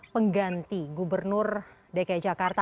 pengganti gubernur dki jakarta